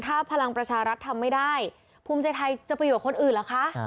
ถ้าพลังประชารัฐทำไม่ได้ภูมิใจไทยจะไปอยู่กับคนอื่นเหรอคะ